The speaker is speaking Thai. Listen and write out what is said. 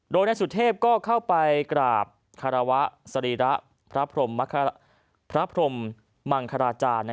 โดยนายสุเทพก็เข้าไปกราบคารวะสรีระพระพรมมังคลาจารย์